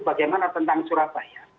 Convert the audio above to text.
bagaimana tentang surat bahaya